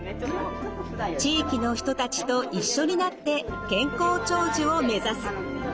地域の人たちと一緒になって「健康長寿」を目指す。